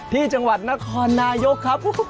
ที่จังหวัดนครนายกครับ